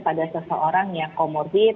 pada seseorang yang comorbid